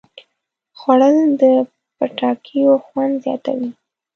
خوړل د پټاکیو خوند زیاتوي